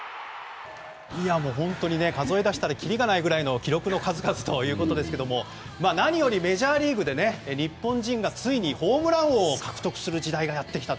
本当に数えだしたらきりがないぐらいの記録の数々ということですけども何よりメジャーリーグで日本人がついにホームラン王を獲得する時代がやってきたと。